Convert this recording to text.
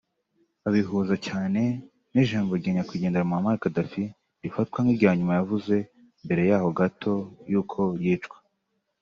babihuza cyane n’ijambo rya nyakwigendera Muammar Gaddafi rifatwa nk’irya nyuma yavuze mbere gato y’uko yicwa